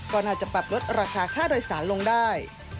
ก็น่าจะปรับลดราคาค่าโดยสารลงได้